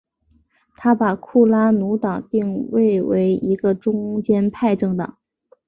他把库拉努党定位为一个中间派政党。